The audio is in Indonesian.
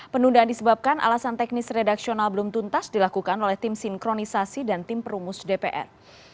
penundaan disebabkan alasan teknis redaksional belum tuntas dilakukan oleh tim sinkronisasi dan tim perumus dpr